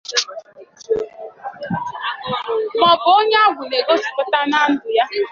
maọbụ onye agwụ na-egosipụta na ndụ ya